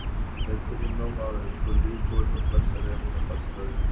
د کلي نوم او د ټولګي کوډ نمبر سره یې مشخص کړئ.